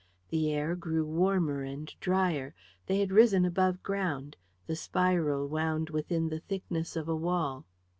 The air grew warmer and dryer. They had risen above ground, the spiral wound within the thickness of a wall.